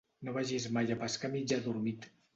No vagis mai a pescar mig adormit.